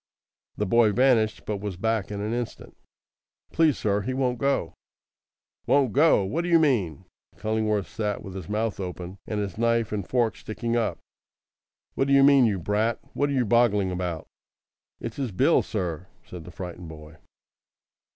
The boy vanished, but was back in an instant. "Please, sir, he won't go." "Won't go! What d'you mean?" Cullingworth sat with his mouth open and his knife and fork sticking up. "What d'you mean, you brat? What are you boggling about?" "It's his bill, sir," said the frightened boy.